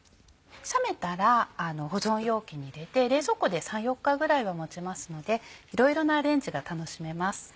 冷めたら保存容器に入れて冷蔵庫で３４日ぐらいは持ちますのでいろいろなアレンジが楽しめます。